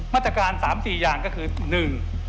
มาตรการ๓๔อย่างก็คือ